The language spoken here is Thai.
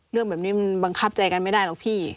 เรื่องแบบนี้มันบังคับใจกันไม่ได้หรอกพี่